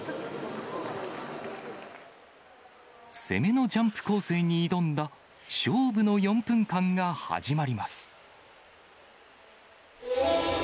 攻めのジャンプ構成に挑んだ勝負の４分間が始まります。